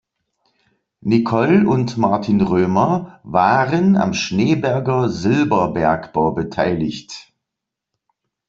Nicol und Martin Römer waren am Schneeberger Silberbergbau beteiligt.